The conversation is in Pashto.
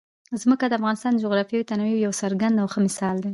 ځمکه د افغانستان د جغرافیوي تنوع یو څرګند او ښه مثال دی.